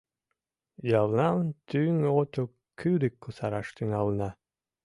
Ялнам Тӱҥото кӱдык кусараш тӱҥалына».